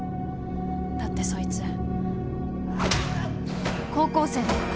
だってそいつ高校生だから。